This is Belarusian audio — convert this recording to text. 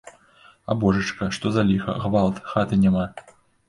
А божачка, што за ліха, гвалт, хаты няма!